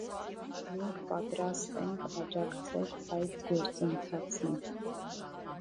Մենք պատրաստ ենք աջակցել այդ գործընթացին։